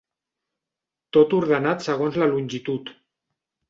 Tot ordenat segons la longitud.